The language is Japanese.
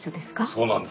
そうなんです。